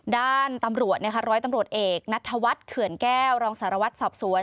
ด้านตำรวจนะคะร้อยตำรวจเอกนัทธวัฒน์เขื่อนแก้วรองสารวัตรสอบสวน